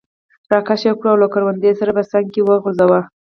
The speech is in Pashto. را کش یې کړ او له کروندې سره په څنګ کې یې وغورځاوه.